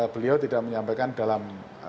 beliau tidak menyampaikan dalam